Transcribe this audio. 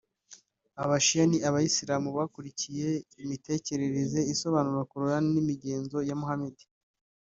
Aba shia ni abayisilamu bakurikiye imitekerereze isobanura coran n’imigenzo ya Muhamadi